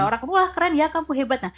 orang wah keren ya kampung hebat